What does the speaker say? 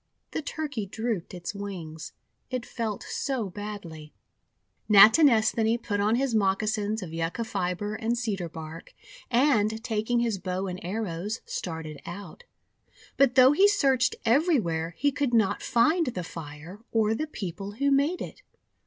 The Turkey drooped its wings, it felt so badly. Natinesthani put on his moccasins of Yucca fibre and Cedar bark, and, taking his bow and arrows, started out. But though he searched everywhere, he could riot find the fire or the people who made it.